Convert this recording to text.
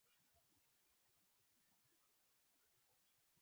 mwanamke anatakiwa kuonekana tofauti asiwe sawa na mwanaume